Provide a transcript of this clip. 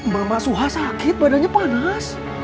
mama suha sakit badannya panas